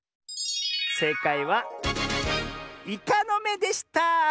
えいかいはイカのめでした！